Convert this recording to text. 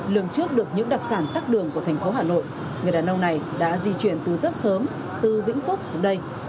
lường trước được những đặc sản tắt đường của thành phố hà nội người đàn ông này đã di chuyển từ rất sớm từ vĩnh phúc xuống đây